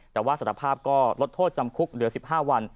แต่ว่าสารภาพก็ลดโทษจำคุกเหลือ๑๕วัน